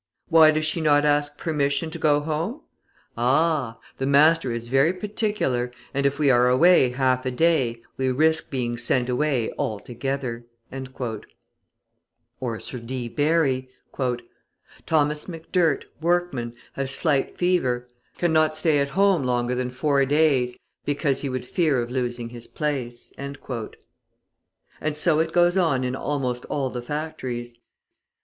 Why does she not ask permission to go home? Ah! the master is very particular, and if we are away half a day, we risk being sent away altogether." Or Sir D. Barry: {162b} "Thomas McDurt, workman, has slight fever. Cannot stay at home longer than four days, because he would fear of losing his place." And so it goes on in almost all the factories.